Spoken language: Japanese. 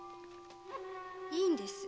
いいんです。